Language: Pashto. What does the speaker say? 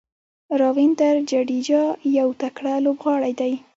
راوېندر جډیجا یو تکړه لوبغاړی دئ.